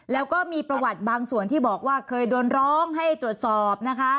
แล้วก็มีประวัติบางส่วนที่บอกว่าเคยโดนร้องให้ตรวจสอบนะคะ